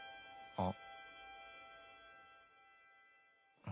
あっ。